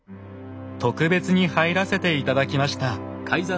特別に入らせて頂きました。